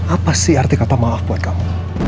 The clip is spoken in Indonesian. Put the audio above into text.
apa sih arti kata maaf buat kamu